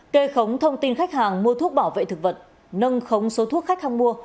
kê khống thông tin khách hàng mua thuốc bảo vệ thực vật nâng khống số thuốc khách hàng mua